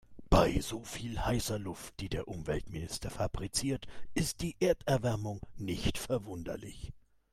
Bei so viel heißer Luft, die der Umweltminister fabriziert, ist die Erderwärmung nicht verwunderlich.